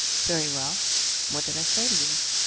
Very well what did I say to you?